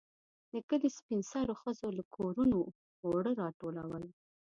د کلي سپين سرو ښځو له کورونو اوړه راټولول.